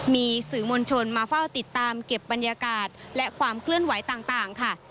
มีสื่อมวลชนมาเฝ้าติดตามเก็บบรรยากาศและความเคลื่อนไหวต่างค่ะ